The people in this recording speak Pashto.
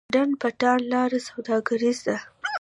ډنډ پټان لاره سوداګریزه ده؟